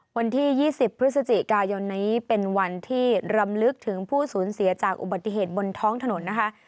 วันที่๒๐พฤศจิกายนนี้เป็นวันที่รำลึกถึงผู้สูญเสียจากอุบัติเหตุบนท้องถนนนะคะ